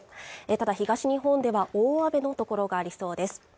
ただ東日本では大雨の所がありそうです